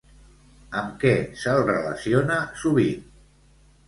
Amb què se'l relaciona sovint?